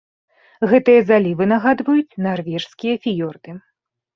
Гэтыя залівы нагадваюць нарвежскія фіёрды.